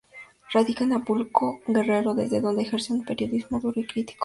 Radica en Acapulco, Guerrero, desde donde ejerce un periodismo duro y crítico.